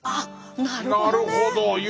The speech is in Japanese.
なるほどね！